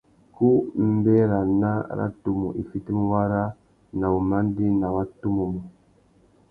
Ku mbérana râ tumu i fitimú wara na wumandēna wa tumu mô.